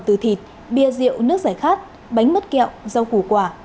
từ thịt bia rượu nước giải khát bánh mứt kẹo rau củ quả